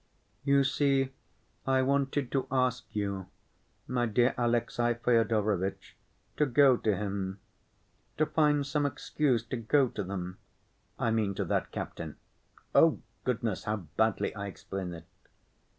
You see, I wanted to ask you, my dear Alexey Fyodorovitch, to go to him, to find some excuse to go to them—I mean to that captain—oh, goodness, how badly I explain it!